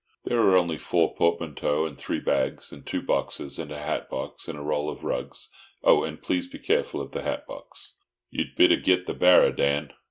"There are only four portmanteaux and three bags, and two boxes and a hat box, and a roll of rugs; and please be careful of the hat box." "You'd better git the barrer, Dan."